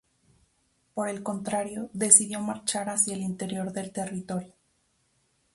Por el contrario, decidió marchar hacia el interior del territorio.